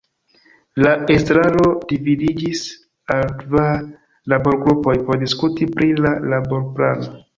La estraro dividiĝis al kvar laborgrupoj por diskuti pri la laborplano.